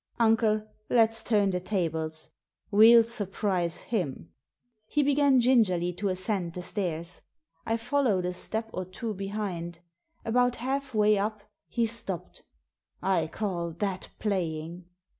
Uncle, let's turn the tables — ^we'll surprise him!" He, began gingerly to ascend the stairs. I followed a step or two behind. About half way up he stopped. "I call that playing!"